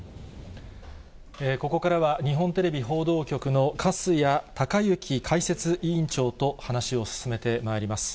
ここからは、日本テレビ報道局の粕谷賢之解説委員長と話を進めてまいります。